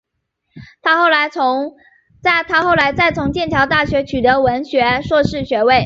她后来再从剑桥大学取得文学硕士学位。